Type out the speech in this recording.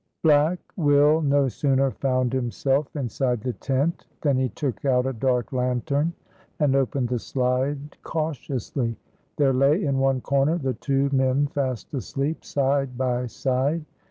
BLACK WILL no sooner found himself inside the tent than he took out a dark lantern and opened the slide cautiously. There lay in one corner the two men fast asleep side by side.